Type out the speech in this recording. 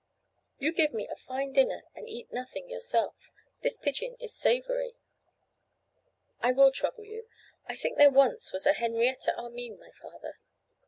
You give me a fine dinner and eat nothing yourself. This pigeon is savoury.' 'I will trouble you. I think there once was a Henrietta Armine, my father?